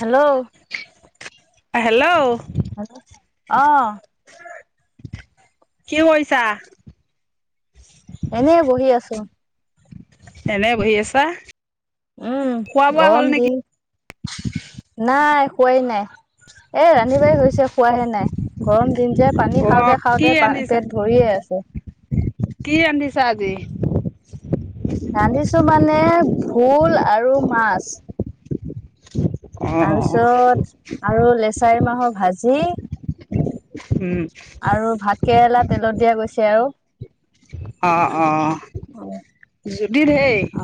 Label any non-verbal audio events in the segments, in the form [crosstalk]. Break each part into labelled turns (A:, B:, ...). A: Hello
B: hello
A: হ অহ
B: কি কইছা?
A: এনেই বহি আছোঁ।
B: এনে বহি আছা?
A: উম
B: খোৱা বোৱা হ'ল
A: গৰম
B: নেকি
A: দিন নাই খোৱাই নাই। এ ৰান্ধি-বাঢ়ি হৈছে খোৱাহে নাই গৰম দিন যে
B: অ
A: পানী খাওঁতে
B: কি
A: খাওঁতে পান
B: ৰান্ধিছা
A: পেট ভৰিয়ে আ আছে।
B: কি ৰান্ধিচা আজি?
A: ৰান্ধিছো মানে ভোল আৰু মাছ।
B: [inaudible]
A: তাৰপিছত আৰু লেচাৰী মাহৰ ভাজি,
B: উম
A: আৰু ভাত কেৰেলা তেলত দিয়া গৈছে আৰু।
B: অঁ অঁ যি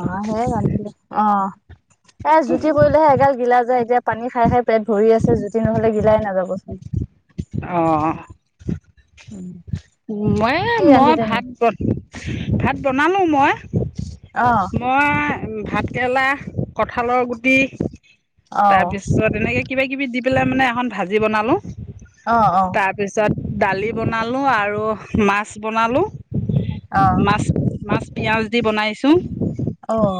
A: অ সেই ৰান্ধিলো অঁ এ জুতি কৰিলেহে এগাল গিলা যায় এতিয়া পানী খাই খাই পেট ভৰি আছে জুতি নহলে গিলাই নাযাবচোন।
B: অ মই এ
A: কি
B: মই
A: ৰান্ধিলেনো
B: ভাত ব ভাত বনালোঁ মই
A: অ
B: মই ভাত কেৰেলা, কঠালৰ গুটি
A: অ
B: তাৰপিছত এনেকে কিবা কিবি দি পেলাই মানে এখন ভাজি বনালোঁ
A: অ অ
B: তাৰপিছত দালি বনালো আৰু মাছ বনালো
A: অহ
B: মাছ মাছ পিয়াজ দি বনাইছো
A: অহ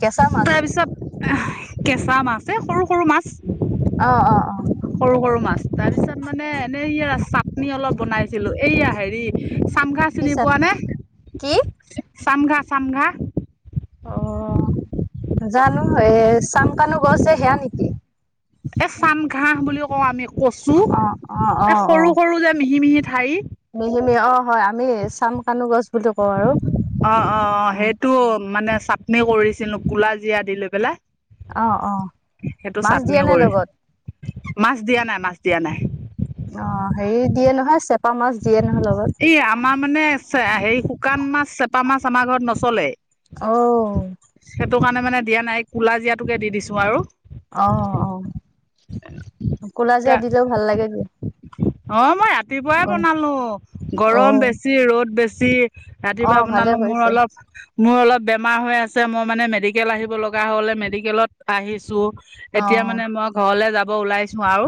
A: কেচা মাছ?
B: তাৰপিছত কেঁচা মাছ এ সৰু সৰু মাছ।
A: অঁ অঁ অঁ।
B: সৰু সৰু মাছ তাৰ পিছত মানে এনেই ই চাটনি অলপ বনাইছিলো এইয়া হেৰি চামঘা
A: সেই
B: চিনি পোৱা
A: চাটনি
B: নে
A: কি?
B: চামঘা চামঘা।
A: অ। জানো এ চাম কানু গছ যে সেয়া নেকি?
B: এ চাম ঘাহ বুলিও কওঁ আমি কচু
A: অ অ
B: এ সৰু সৰু যে মিহি মিহি ঠাৰি
A: মিহি মিহি অ হয় আমি চাম কানো গছ বুলি কওঁ আৰু
B: অ অ অ সেইটো মানে চাটনি কৰিছিলো কোলা জিৰা দি লৈ পেলাই।
A: অ অ
B: সেইটো
A: মাছ
B: চাটনি
A: দিয়ে নে
B: কৰি
A: লগত
B: মাছ দিয়া নাই মাছ। দিয়া নাই।
A: অ' হেৰি দিয়ে নহয় চেপা মাছ দিয়ে নহয় লগত
B: ই, আমাৰ মানে চে হেৰি শুকান মাছ, চেপা মাছ আমাৰ ঘৰত নচলে।
A: ও।
B: সেইটো কাৰণে মানে দিয়া নাই কোলা জিয়া টোকে দি দিছো আৰু।
A: অ', অ' কুলা
B: তা
A: জীয়া দিলেও ভাল লাগে দিয়া।
B: অ' মই ৰাতিপুৱাই বনালো।
A: অ
B: গৰম বেছি ৰ'দ বেছি।
A: অ
B: ৰাতিপুৱা
A: ভালে
B: বনালো মোৰ
A: কৰিছে
B: অলপ মোৰ অলপ বেমাৰ হৈ আছে। মই মানে মেডিকেল আহিব লগা হ'লে মেডিকেলত আহিছো।
A: অ
B: এতিয়া মানে মই ঘৰলে যাব ওলাইছো আৰু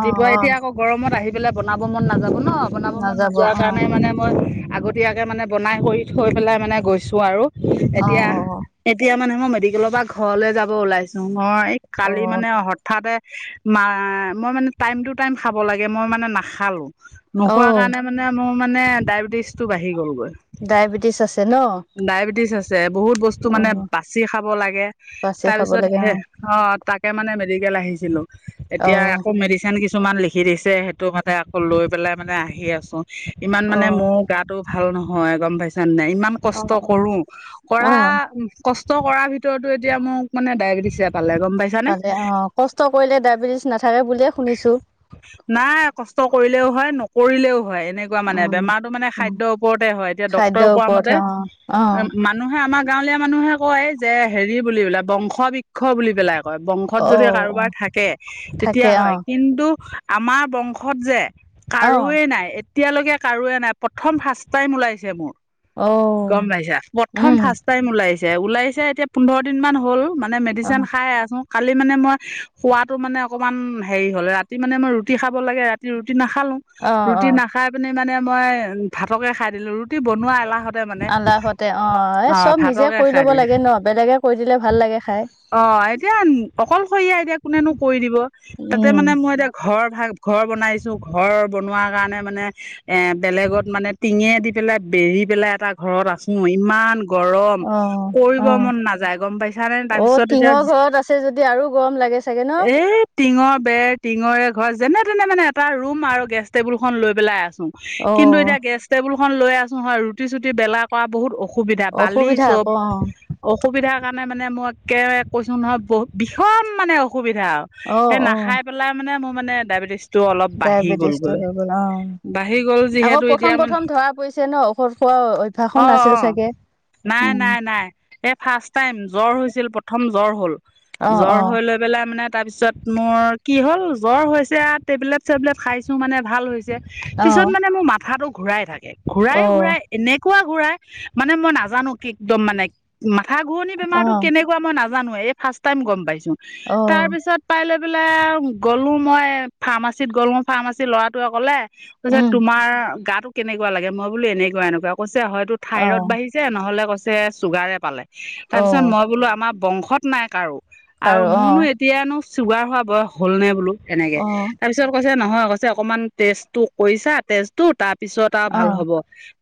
A: অ অ
B: এতিয়া আকৌ গৰমত আহি পেলাই বনাব মন নাযাব ন। বনাব মন
A: নাযাব অ
B: নোযোৱাৰ কাৰণে মানে মই আগতীয়াকে মানে বনাই কৰি থৈ পেলাই মানে গৈছো আৰু।
A: অ
B: এতিয়া-এতিয়া মানে মই মেডিকেলৰ পৰা ঘৰলে যাব ওলাইছো। মই
A: অ
B: কালি মানে হঠাতে মা মই মানে টাইম টু টাইম খাব লাগে মই মানে নাখালো।
A: অ
B: নোখোৱা
A: অ
B: কাৰণে মানে মোৰ মানে ডায়বেটিছ টো বাঢ়ি গ'লগৈ।
A: ডায়েবেটিছ আছে ন।
B: ডায়েবেটিছ আছে। বহুত বস্তু
A: অ
B: মানে বাচি খাব লাগে।
A: বাচি খাব
B: তাৰপিছত
A: লাগে
B: হে অ' তাক তে মানে মেডিকেল আহিছিলো।
A: অ
B: এতিয়া আকৌ মেডিচিন কিছুমান লিখি দিছে। সেইটো মানে আকৌ লৈ পেলাই মানে আহি আছো। ইমান
A: অ
B: মানে মোৰ গাটো ভাল নহয়। গম পাইছা নাই? ইমান
A: অ
B: কষ্ট
A: অ অ
B: কৰো
A: অ
B: কৰা কষ্ট [unintelligible] কৰাৰ ভিতৰতো এতিয়া মোক মানে ডায়েবেটিছে পালে গম পাইছানে
A: পালে অ', কষ্ট কৰিলে ডায়বেটিছ নাথাকে বুলিয়ে শুনিছো।
B: নাই কষ্ট কৰিলেও হয় নকৰিলেও হয় তেনেকুৱা মানে
A: উম
B: বেমাৰতো মানে
A: উম
B: খাদ্যৰ ওপৰতে হয়। এতিয়া ডক্তৰে
A: খাদ্যৰ
B: কোৱা
A: ওপৰত
B: মতে
A: অ অ
B: মানুহে আমাৰ গাঁৱলীয়া মানুহে কয় যে হেৰি বুলিবলে বংশ বৃক্ষ বুলি পেলাই। কয়। বংশত
A: অ
B: যদি
A: অ
B: কাৰোবাৰ থাকে তেতিয়া
A: থাকে অ
B: হয় কিন্তু আমাৰ বংশত যে
A: অ
B: কাৰোৱে নাই এতিয়ালৈকে কাৰোয়ে নাই। প্ৰথম ফাৰ্ষ্ট টাইম ওলাইছে মোৰ।
A: অ
B: গম পাইছা? প্ৰথম
A: উম
B: ফাৰ্ষ্ট টাইম ওলাইছে। ওলাইছে এতিয়া পোন্ধৰ দিন মান হ'ল মানে
A: অ
B: মেডিচিন খাই আছো। কালি মানে মই খোৱাটো মানে অকমান হেৰি হল। ৰাতি মানে মই ৰুটি খাব লাগে ৰাতি ৰুটি না নাখালো।
A: অ অ
B: ৰুটি নাখাই পিনি মানে মই ভাতকে খাই দিলো ৰুটি বনোৱা এলাহত
A: এলাহতে অ'। এ চব নিজে
B: ভাতকে
A: কৰি
B: খাই
A: ল'ব
B: দিলো
A: লাগে ন। বেলেগে কৰি দিলে ভাল লাগে খাই।
B: অ' এতিয়া অকলশৰীয়া এতিয়া কোনেনো কৰি দিব। তাতে
A: উম
B: মানে মই এতিয়া ঘৰ ভাগ ঘৰ বনাইছো। ঘৰ বনোৱাৰ কাৰণে মানে এ বেলেগত মানে টিঙে দি পেলাই বেৰি পেলাই এটা ঘৰত আছো। ইমান গৰম
A: অ অ
B: কৰিব মন নায যায়। গম পাইছা নে
A: অ
B: তাৰপিছত এতিয়া
A: টিঙৰ ঘৰত আছে যদি আৰু গৰম লাগে চাগে ন
B: এ' টিঙৰ বেৰ টিঙৰে ঘৰ যেনে তেনে মানে এটা ৰুম আৰু গেষ্ট টেবুল খন লৈ পেলাই অছো
A: অ
B: কিন্তু এতিয়া গেষ্ট টেবুল খন লৈ আছো হয় ৰুটি চুটি বেলা কৰা বহুত অসুবিধা বালি
A: অসুবিধা
B: চব
A: আকৌ অ
B: অসুবিধাৰ কাৰণে মানে মই কে কৈছোঁ নহয় বহুত [unintelligible] মানে অসুবিধা। [unintelligible] হে
A: অ', অ',
B: নাখাই পেলাই মানে ময় মানে ডায়বেটিছ
A: ডায়েবেটিছটো হৈ গল অ'।
B: বাঢ়ি গ'ল
A: আকৌ
B: যিহেতু এতিয়া
A: প্ৰথম
B: মানে
A: প্ৰথম ধৰা পৰিছে ন। ঔষধ খ অ' অভ্যাসো
B: অঁ
A: নাছিল
B: অঁ
A: চাগে।
B: নাই,
A: উম,
B: নাই-নাই এ ফাষ্ট টাইম জ্বৰ হৈছিল প্ৰথম জ্বৰ হ'ল
A: অ',
B: জ্বৰ
A: অ',
B: হৈ লৈ পেলাই মানে তাৰপিছত মোৰ কি হ'ল জ্বৰ হৈছে টেবলেট চেবলেট খাইছোঁ মানে ভাল হৈছে [unintelligible] পিছত
A: অ',
B: মানে মোৰ মাথাটো ঘূৰাই থাকে ঘূৰাই
A: অ',
B: ঘূৰাই এনেক নেকুৱা ঘূৰাই মানে মই নাজানো একদম মানে মাথা ঘুৰণি বেমাৰতটো
A: অ',
B: কেনেকুৱা মানে নাজানো এ ফাষ্ট টাইম গম পাইচো। তাৰ
A: অ',
B: পিচত [unintelligible] এইফালে গ'লো মই ফাৰ্মাচীত গ'লো ফাৰ্মাচীৰ ল'ৰাটোৱে ক'লে কৈছে
A: উম,
B: তোমাৰ গাতো কেনেকুৱা লাগে মই বোলো এনেকুৱা এনেকুৱা কৈছ হয়তো থাইৰইড
A: অ',
B: বাঢ়িছে নহলে কৈছে চুগাৰে পালে তাৰ পিছত
A: অ',
B: মই বোলো আমাৰ বংশত নাই কাৰো আৰু মোৰনো এতিয়ানো চুগাৰ হোৱা বয়স হ'ল নে বোলো তেনেকে
A: অ',
B: তাৰপিছত কৈছে নহয় কৈছে অকনমান তেজটো কৰিছা তেজো তাৰ পিছত আৰু ভাল
A: অ',
B: হব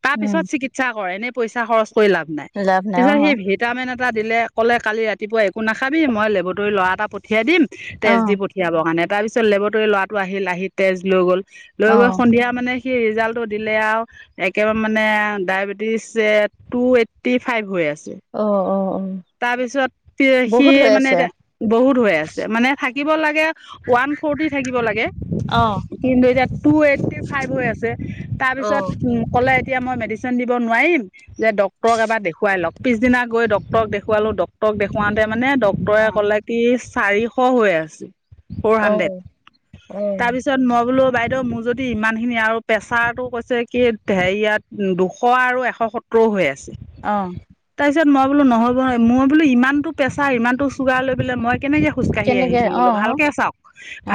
B: তাৰ
A: উম,
B: পিছত চিকিৎসা কৰে এনেই পইচা খৰচ কৰি লাভ নাই
A: লাভ নাই অ',
B: তাৰিছত সি ভিটামিন এটা দিলে ক'লে কালি ৰাতিপুৱা একো নাখাবি মই লেবটৰী ল'ৰা এটা পঠিয়াই দিম তেজ
A: অ',
B: দি পঠিয়াবৰ কাৰণে তাৰপিছত লেবটৰী ল'ৰাটো আহিল আহি তেজ লৈ গ'ল লৈ গৈ
A: অ',
B: সন্ধিয়া মানে কি ৰিজাল্টটো দিলে আও একেবাৰে মানে ডায়বেটিচ এ টু এইটি ফাইভ হৈ
A: অ', অ', অ',
B: তাৰপিছত সি
A: বহুত হৈ
B: মানে
A: আছে
B: এতিয়া বহুত হৈ আছে মানে থাক থাকিব লাগে ওৱান ফৰটি থাকিব লাগে
A: অ',
B: কিন্তু এতি টু এইটি ফাইভ হৈ আছে তাৰ পিছত
A: অ',
B: উম কলে এতিয়া মই মেডিচেন দিব নোৱাৰিম যে ডক্টৰ এবাৰ দেখো খুৱাই লওক পিছদিনা গৈ ডক্টৰক দেখুৱালোঁ ডক্টৰে দেখুৱাওঁতে মানে ডক্টৰে
A: অ',
B: ক'লে কি চাৰিশ হৈ আছে ফ'ৰ হাণ্ড্ৰেড
A: অ', অ',
B: তাৰপিছত মই বোলো বাইদেউ মোৰ যদি ইমানখিনি আৰু প্ৰেছাৰটো কৈছে কি হেৰিয়াত দুশ আৰু এশ সত্ত ক্ৰ' হৈ আছে
A: অ
B: তাৰ পিছত মই বোলো নহ'ব ন মই বোলো ইমানটো প্ৰেছাৰ ইমানটো চুগাৰ লৈ বোলে মই কেনেকে খোজকাঢ়ি
A: কেনেকে
B: আহিছো বোলো
A: অ',
B: ভালকে চাওক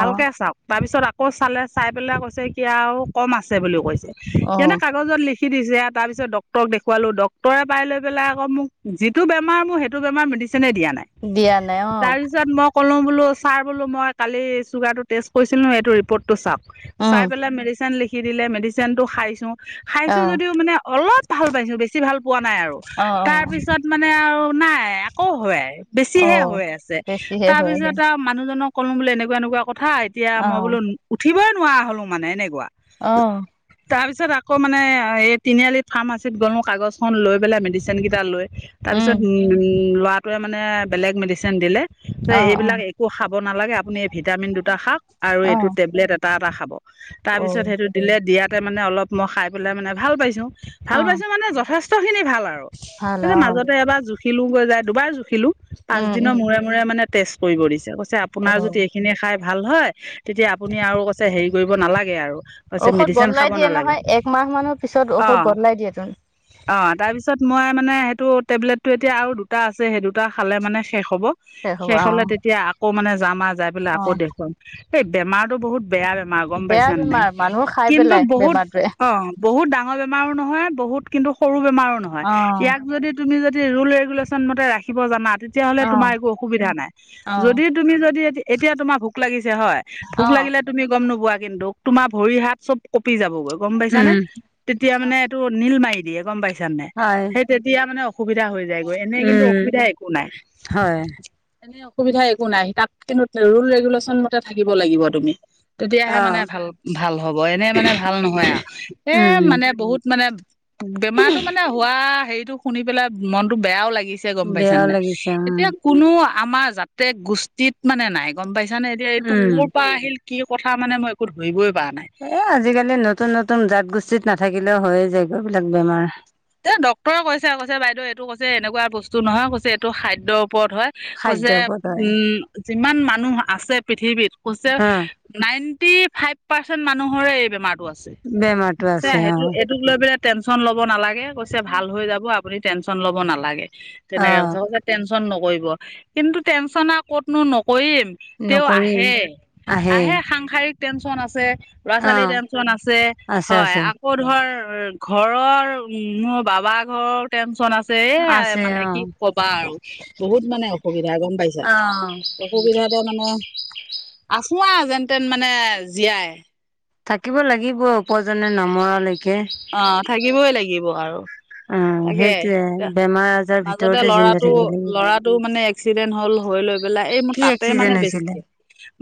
A: অ',
B: চাওক তাৰ পিছত আকৌ চালে চাই পেলাই কৈছে কি আও কম আছে বুলিও কৈছে সিয়তে
A: অ',
B: কাগজত লিখি কি দিছে এয়া তাৰপিছত ডক্টৰক দেখুৱালো ডক্টৰে পাই লৈ পেলাই মোক যিটো বেমাৰ মোৰ সেটো বেমাৰ মেডিছ চেনে দিয়া নাই
A: দিয়া নাই অ',
B: তাৰপিছত মোক কলোং বোলো ছাৰ বোলো মই কালি চুগাৰটো টেষ্ট কৰিছিলোঁ এইটো ৰিপৰ্টটো চাওক
A: উম,
B: চাই পেলাই মেডিচেন লিখি দিলে মেডিচেন টো খাইছো খাইছো
A: অ',
B: যদিও মানে অলপ ভাল পাইছো বেছি ভাল পোৱা নাই আৰু
A: অ', অ',
B: তাৰপিছত মানে আৰু নাই আকৌ হয়
A: অ
B: বেছিহে হৈ আছে
A: বেছিহে হৈ আহে
B: তাৰপিছত আও মানুহজন ক ক'লো বোলেং এনেকুৱা এনেকুৱা কথা এতিয়া
A: অ
B: মই বোলো উঠিবই নোৱাৰা হলো মানে এনেকুৱা
A: অ
B: তাৰ পিছত আকৌ মানে এই তিনিআলি ফাৰ্মাছিত গ'লোং কাগজ খন লৈ পেলাই মেডিচেন কেইটা লৈ তাৰ
A: উম
B: পিছত উম ল'ৰাটোৱে মানে বেলেগ মেডিচেন দিলে যে
A: অ অ
B: এইবিলাক একো খাব নালাগে আপুনি এই ভিটামিন দুটা খাক আৰু
A: অ
B: এইটো টেবলেট এটা এটা খাব তাৰ
A: অ
B: পিছত সেইটো দিলে দিয়াতে মানে অলপ মই খাই পেলাই মানে ভাল পাইছো ভাল
A: অ
B: পাইছো মানে যথেষ্ট খিনি ভাল আৰু
A: ভাল অ
B: মাজতে এবাৰ জুখিলো গৈ যায় দুবাৰ জুখিলো
A: উম
B: পাচদিনৰ
A: উম
B: মূৰে মূৰে মানে তেজ কৰিব দিছে কৈছে
A: অ
B: আপোনাৰ যদি এইখিনি খাই ভাল হয়। তেতিয়া আপুনি আৰু কৈছে হেৰি কৰিব নালাগে আৰু কৈছে
A: ঔষধ
B: মেডিচেন খাব নালাগে।
A: ষধ
B: অ',
A: বদলাই দিয়ে তোন
B: অ তাৰপিছত মই মানে সেইটো টেবলেটটো এতিয়া আৰু দুটা আছে সেই দুটা খালে মানে শেষ হ'ব
A: হ'ব
B: শেষ
A: অ
B: হলে তেতিয়া আকৌ মানে যাম আ যাই পেলাই
A: অ
B: আকৌ দেখুৱাম এই বেমাৰটো বহুত বেয়া বেমাৰ গম
A: বেয়া
B: পাইছা নে নাই
A: বেমাৰ মানুহ খাই
B: কিন্তু
A: পেলাই
B: বহুত
A: বেমাৰটোৱে
B: অ বহুত ডাঙৰ বেম বেমাৰো নহয় বহুত কিন্তু সৰু বেমাৰো নহয়
A: অ
B: ইয়াক যদি তুমি যদি ৰুল ৰেগুলেশ্যন মতে ৰাখিব জানাত তেতিয়াহলে
A: অ
B: তোমাৰ একো অসুবিধা নাই
A: অ
B: যদি তুমি যদি এতিয়া তোমাৰ ভোক লাগিছে হয়
A: অ
B: ভোক লাগ কেলে তুমি গম নোপোৱা কিন্তু তোমাৰ ভৰি হাত চব কঁপি যাবগৈ গম পাইছা নে
A: উম
B: তেতিয়া মানে এইটো নীল মাৰি দিয়ে গম পাইছা নাই
A: হয়
B: সেই তেতিয়া মানে অসুবিধা হৈ যায়গৈ এনে কিন্তু অসুবিধা একো নাই
A: এহ
B: এনে অসুবিধা একো নাই তাত কিন্তু ৰুল ৰেগুলেশ্যন মতে থাকিব লাগিব তুমি
A: অ
B: তেতিয়াহে মানে ভাল ভাল হ'ব এনে মানে ভাল নহয় আও এ
A: উম
B: মানে বহুত মানে বেমাৰটো মানে হোৱা হেৰিটো শুনি পেলাই মনতো বেয়াও লাগ লাগিছে গম পাইছা নে
A: বেয়াও
B: নাই
A: লাগিছে উম
B: এতিয়া কোনো আমাৰ জাতে গোষ্ঠীত মানে নাই গম পাইছ জানে এতিয়া এইটো
A: উম
B: ক'ৰ পৰা আহিল কি কথা মানে মই একো ধৰিবই পৰা নাই
A: এ আজিকালি নতুন নতুন জাত গোষ্ঠীত নাথাকিলেও হয়ে যায়গৈ এইবিলাক বেমাৰ
B: এ ডাক্তৰে কৈছে কৈছে বাইদেউ এইটো কৈছে এনেকুৱা বস্তু নহয় কৈছে এইটো খাদ্য ওপৰত হয় কৈছে
A: খাদ্যৰ ওপৰত হয়
B: উম যিমান মানুহ আছে পৃথিৱীত কৈছে
A: হা
B: নাইন টি ফাইভ পাৰ্চেন্ত মানুহৰে এই বেমাৰটো আছে
A: বেমাৰতো
B: কৈছে
A: আছে অ
B: সেটো এইটোক লৈ পেলাই টেনচন লব নালাগে কৈছে ভাল হৈ যাব আপুনি টেনচন ল'ব নালাগে
A: অ
B: তেনেকে কৈছে হব টেনচ টেনচন নকৰিব কিন্তু টেনচন আও ক'ত নো ন কৰিম তেওঁ
A: নকৰিম
B: আহে আহে সাংসাৰিক টেনচন আছে ল'ৰা
A: অ
B: ছোৱালীৰ টেনচন আছে
A: আছে
B: হয়
A: আছে
B: আকৌ ধৰ ঘৰৰ উম মোৰ বাবাৰ ঘৰৰ টেনচন আছে ছে সেয়াই
A: আছে
B: মানে
A: অ
B: কি কবা আৰু বহুত মানে অসুবিধা গম পাইছা
A: অ
B: অসুবিধাতে মানে আছো আও যেন তেন মানে জীয়াই
A: থাকিব লাগিব উপৰজনে নমৰালৈ
B: অ থাকিবই লাগিব আৰু
A: অ
B: তাকে
A: সেইটোয়ে
B: এয়া
A: বেমাৰ আজাৰ
B: মাজতে
A: ভিতৰতে জিন্দা
B: লৰাটো
A: থাকিব লাগিব
B: লৰাটো মানে এক্সিডেণ্ট হ'ল হৈ লৈ পিলাই এ মই
A: কি
B: তাতে মানে
A: এক্সিডেন্ট হৈছিলে
B: বেছিকে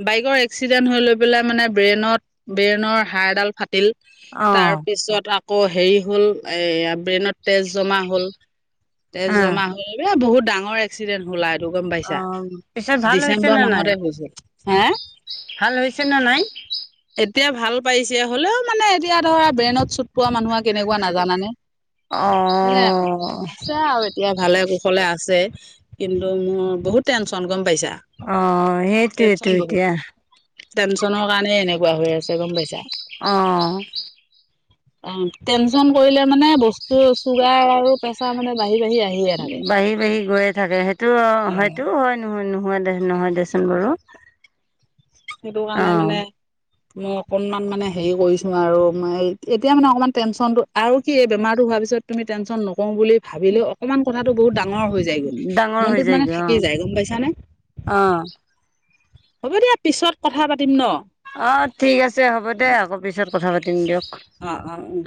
B: বাইকৰ এক্সিডেন্ট হৈ লৈ পেলাই মানে ব্ৰেইনত ব্ৰেইনৰ হাড়ডাল ফাটিল
A: অ
B: তাৰ পিছত আকৌ হেৰি হ'ল এ ব্ৰেইনত তেজ জমা হ'ল তেজ
A: অ
B: জমা হল এ বহুত ডাঙৰ এক্সিডেণ্ট হ'ল আ টো গম
A: অ
B: পাইছা
A: পিছত ভাল হৈছে
B: ডিচেম্বৰ
A: নে নাই
B: মাহতে গৈছিল হে
A: ভাল হৈছে নে নাই
B: এতিয়া ভাল পাইছে হ'লেও মানে এতিয়া ধৰা ব্ৰেইনত চুট পোৱা মানুহ আ কেনেকুৱা নাজানানে
A: অ
B: সেয়া মানে আছে আৰু এতিয়া ভালে কুশলে আছে আছে কিন্তু মোৰ বহুত টেনচন গম পাইছা
A: অ সেইটোৱে টো
B: টেনচন বহুত
A: এতিয়া
B: টেনচনৰ কাৰণে এনেকুৱা হৈ আছে গম পাইছা
A: অহ
B: অ টেনচন কৰিলে মানে বস্তু চুগাৰ আৰু প্ৰেচাৰ মানে বাঢ়
A: বাঢ়ি বাঢ়ি গৈয়ে থাকে সেইটো
B: অ
A: সেইটোও হয় নোহো নহ হোৱা দে নহয় দেচোন বাৰু
B: সেইটো কাৰণে
A: অঁ
B: মানে মই অকনমান মানে হেৰি কৰিছো আৰু মই এতিয়া মানে অকমান টেনচনটো আৰু কি এই বেমাৰটো হোৱা পিছত তুমি টেনচন নকৰোঁ বুলি ভাবিলেও অকমান কথাটো বহুত ডাঙ ডাঙৰ হৈ যায়গৈ
A: ডাঙৰ হৈ
B: মনটোত মানে
A: যায়গৈ
B: থাকি
A: অঁ
B: যায় গম পাইছানে
A: অঁ
B: হ'ব দিয়া পিছত কথা পাতিম ন
A: অ ঠিক আছে হ'ব দে আকৌ পিছত কথা পাতিম দিয়ক
B: অ অ উম